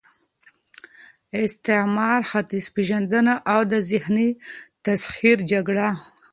استعمار، ختیځ پېژندنه او د ذهني تسخیر جګړه